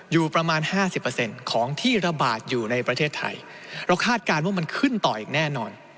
อยู่ประมาณ๕๐ของที่ระบาดอยู่ในประเทศไทยเราคาดการณ์ว่ามันขึ้นต่ออีกแน่นอน